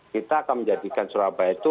kita akan menjadikan surabaya itu